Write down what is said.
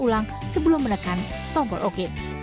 jangan lupa menekan tombol ok